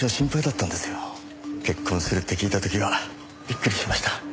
結婚するって聞いた時はびっくりしました。